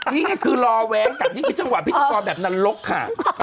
นี่ไงคือรอแวงกับพิจักรแบบนรกค่ะ